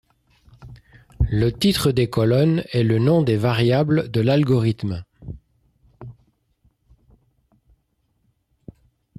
Le titre des colonnes est le nom des variables de l'algorithme.